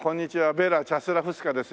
ベラ・チャスラフスカです。